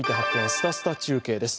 すたすた中継」です。